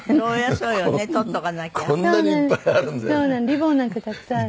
リボンなんかたくさんある。